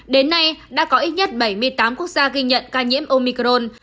đến nay đã có ít nhất bảy mươi tám quốc gia ghi nhận ca nhiễm omicron